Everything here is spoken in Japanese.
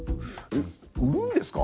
売るんですか？